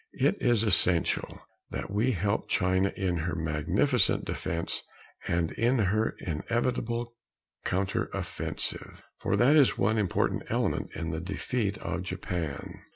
It is essential that we help China in her magnificent defense and in her inevitable counteroffensive for that is one important element in the ultimate defeat of Japan.